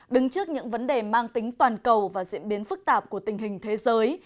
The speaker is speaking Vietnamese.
đứng trước những vấn đề mang tính toàn cầu và diễn biến phức tạp của tình hình thế giới